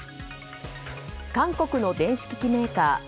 韓国の電子機器メーカー